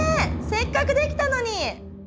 せっかくできたのに！